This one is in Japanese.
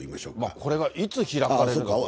これがいつ開かれるか。